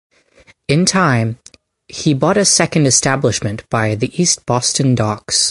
In time, he bought a second establishment by the East Boston docks.